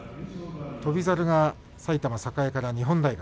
翔猿が埼玉栄から日本大学。